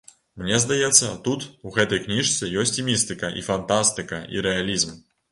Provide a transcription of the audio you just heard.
Мне здаецца, тут, у гэтай кніжцы, ёсць і містыка, і фантастыка, і рэалізм.